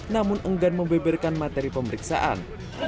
namun enggan membeberkan materi pemeriksaan